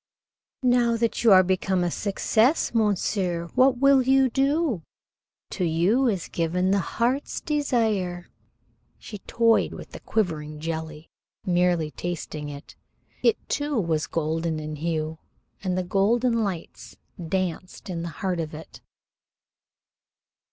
"Now that you are become a success, monsieur, what will you do? To you is given the heart's desire." She toyed with the quivering jelly, merely tasting it. It too was golden in hue, and golden lights danced in the heart of it.